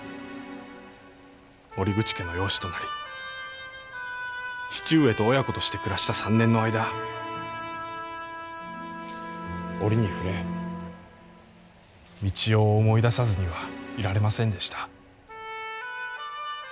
森口家の養子となり義父上と親子として暮らした３年の間折にふれ三千代を思い出さずにはいられませんでした。